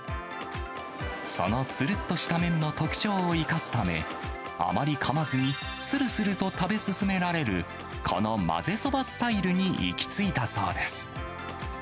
そのつるっとした麺の特徴を生かすため、あまりかまずに、するすると食べ進められる、このまぜそばスタイルに行きついたそうです。